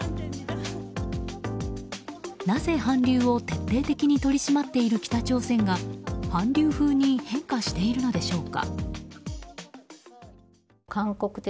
なぜ韓流を徹底的に取り締まっている北朝鮮が韓流風に変化しているのでしょうか。